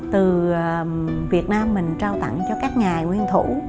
từ việt nam mình trao tặng cho các nhà nguyên thủ